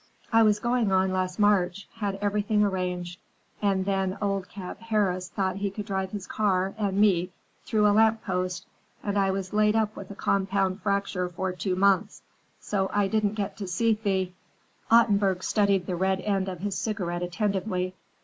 "I was going on last March. Had everything arranged. And then old Cap Harris thought he could drive his car and me through a lamp post and I was laid up with a compound fracture for two months. So I didn't get to see Thea." Ottenburg studied the red end of his cigarette attentively.